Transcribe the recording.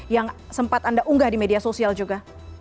yang sempat anda unggah di media sosial juga